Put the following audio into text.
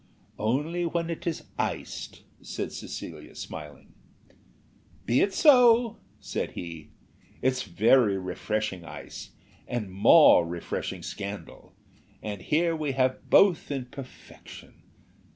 "Only when it is iced," said Lady Cecilia, smiling. "Be it so," said he, "very refreshing ice, and more refreshing scandal, and here we have both in perfection.